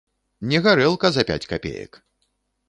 Не гарэлка за пяць капеек.